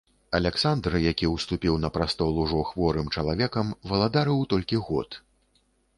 Аляксандр, які ўступіў на прастол ужо хворым чалавекам, валадарыў толькі год.